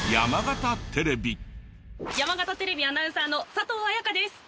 山形テレビアナウンサーの佐藤彩加です。